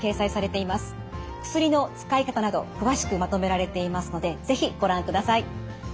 薬の使い方など詳しくまとめられていますので是非ご覧ください。